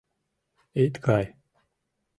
— Ит кай.